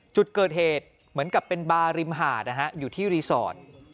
จุดเกิดเหตุเหมือนกับเป็นบาร์ริมหาดนะฮะอยู่ที่รีสอร์ท